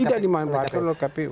tidak dimanfaatkan oleh kpu